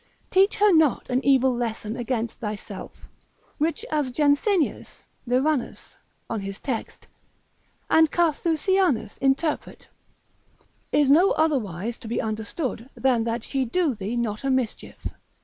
teach her not an evil lesson against thyself, which as Jansenius, Lyranus, on his text, and Carthusianus interpret, is no otherwise to be understood than that she do thee not a mischief.